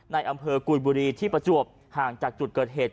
ในอำเภอกุยบุรีที่ประจวบห่างจากจุดเกิดเหตุ